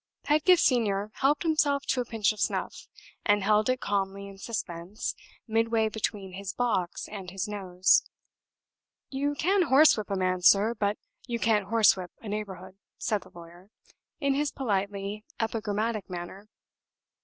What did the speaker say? Pedgift Senior helped himself to a pinch of snuff, and held it calmly in suspense midway between his box and his nose. "You can horsewhip a man, sir; but you can't horsewhip a neighborhood," said the lawyer, in his politely epigrammatic manner.